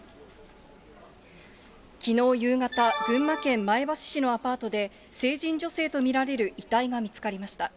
きのう夕方、群馬県前橋市のアパートで、成人女性と見られる遺体が見つかりました。